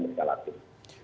di amerika latif